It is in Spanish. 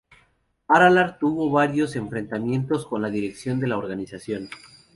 Aralar tuvo varios enfrentamientos con la dirección de la organización.